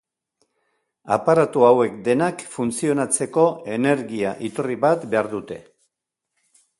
Aparatu hauek denak funtzionatzeko energia iturri bat behar dute.